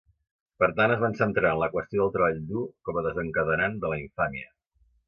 Per tant, es van centrar en la qüestió del treball dur com a desencadenant de la infàmia.